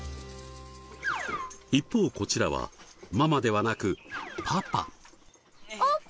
一方こちらはママではなくパパ。